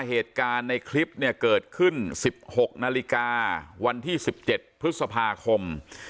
เหตุการณ์ในคลิปเนี้ยเกิดขึ้นสิบหกนาฬิกาวันที่สิบเจ็ดพฤษภาคม